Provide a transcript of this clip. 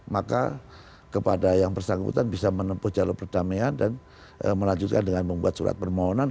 maka kepada yang bersangkutan bisa menempuh jalur perdamaian dan melanjutkan dengan membuat surat permohonan